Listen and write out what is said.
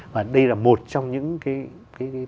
và đây là một trong những cái